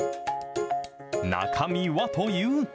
中身はというと。